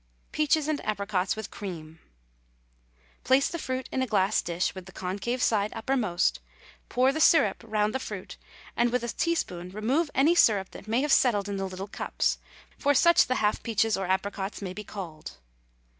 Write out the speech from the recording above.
PEACHES AND APRICOTS, WITH CREAM. Place the fruit in a glass dish, with the concave side uppermost; pour the syrup round the fruit, and with a teaspoon remove any syrup that may have settled in the little cups, for such the half peaches or apricots may be called.